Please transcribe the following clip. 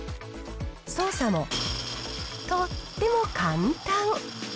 操作もとっても簡単。